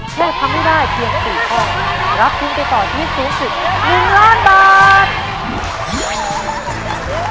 แค่พร้อมได้เพียง๔ข้อรับทิ้งไปต่อที่สูงสุด๑ล้านบาท